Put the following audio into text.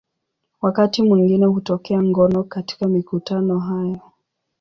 Wakati mwingine hutokea ngono katika mikutano haya.